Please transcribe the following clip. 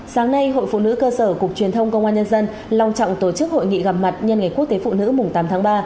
sáng nay hội phụ nữ cơ sở cục truyền thông công an nhân dân long trọng tổ chức hội nghị gặp mặt nhân ngày quốc tế phụ nữ mùng tám tháng ba